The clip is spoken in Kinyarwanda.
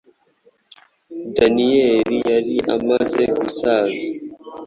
Daniyeli yari amaze gusaza.